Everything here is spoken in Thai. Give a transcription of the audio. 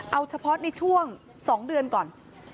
เอาเฉพาะในช่วง๒เดือนก่อน